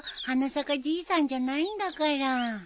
花咲かじいさんじゃないんだから。